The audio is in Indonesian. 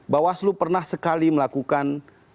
bawaslu pernah sekali melakukan